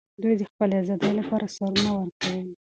دوی د خپلې ازادۍ لپاره سرونه ورکوي.